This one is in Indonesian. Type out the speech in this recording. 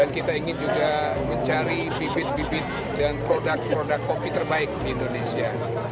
dan kita ingin juga mencari bibit bibit dan produk produk kopi terbaik di indonesia